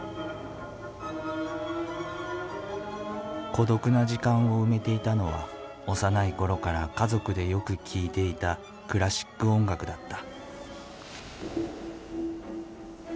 孤独な時間を埋めていたのは幼い頃から家族でよく聴いていたクラシック音楽だった。